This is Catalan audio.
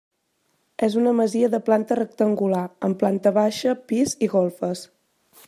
És una masia de planta rectangular, amb planta baixa, pis i golfes.